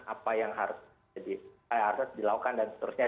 apa yang harus dilakukan dan seterusnya